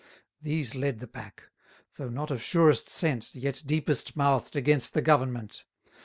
These led the pack; though not of surest scent, Yet deepest mouth'd against the government.